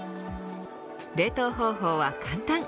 冷凍方法は簡単。